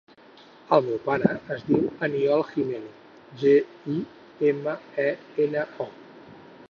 El meu pare es diu Aniol Gimeno: ge, i, ema, e, ena, o.